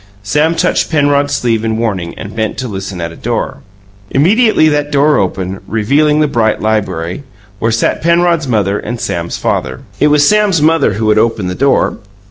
Sam touched Penrod's sleeve in warning and bent to listen at a door. Immediately that door opened, revealing the bright library, where sat Penrod's mother and Sam's father. It was Sam's mother who had opened the door.